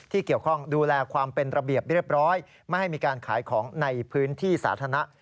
เกี่ยวข้องดูแลความเป็นระเบียบเรียบร้อยไม่ให้มีการขายของในพื้นที่สาธารณะ